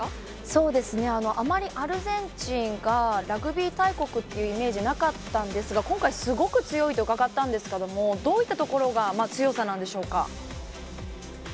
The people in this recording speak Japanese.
そうですね、あまりアルゼンチンがラグビー大国っていうイメージなかったんですが、今回、すごく強いと伺ったんですけれども、どういったところが強さなんでしょうか？